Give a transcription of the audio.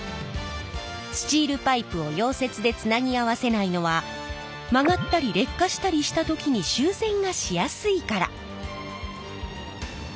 スチールパイプを溶接でつなぎ合わせないのは曲がったり劣化したりした時に修繕がしやすいから。